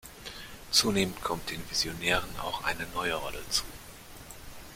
Zunehmend kommt den Visionären auch eine neue Rolle zu.